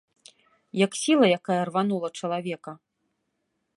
Як сіла якая рванула чалавека.